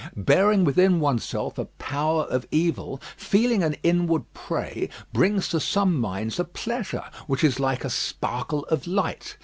Bearing within oneself a power of evil, feeling an inward prey, brings to some minds a pleasure which is like a sparkle of light.